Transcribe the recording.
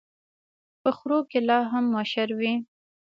په خرو کي لا هم مشر وي.